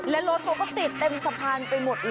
และรถเขาก็ติดเต็มสะพานไปหมดเลย